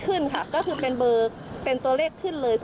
ขึ้นค่ะก็คือเป็นเบอร์เป็นตัวเลขขึ้นเลย